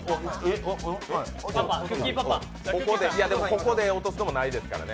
ここで落とすのもないですからね。